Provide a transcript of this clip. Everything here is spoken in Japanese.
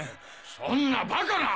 そんなバカな！？